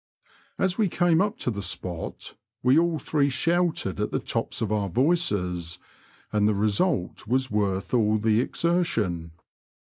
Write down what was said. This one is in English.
As we came up to the spot, we all three shouted at the tops of our voices, and the result was worth all the exertion.